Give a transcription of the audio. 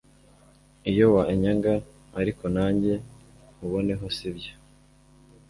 iyo wanyanga ariko nanjye nkuboneho sibyo